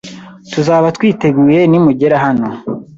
Tuzaba twiteguye nimugera hano.